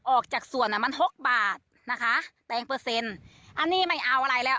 ออกจากส่วนอ่ะมันหกบาทนะคะแตงเปอร์เซ็นต์อันนี้ไม่เอาอะไรแล้ว